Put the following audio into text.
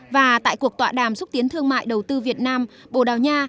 và tại cuộc tọa đàm xúc tiến thương mại đầu tư việt nam bồ đào nha